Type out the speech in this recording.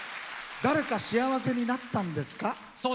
誰か幸せになったんですか？